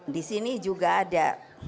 di sini juga ada